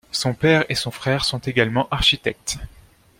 Son père et son frère sont également architectes.